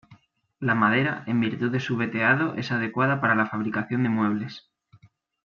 La madera, en virtud de su veteado, es adecuada para la fabricación de muebles.